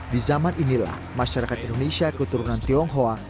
di zaman inilah masyarakat indonesia keturunan tionghoa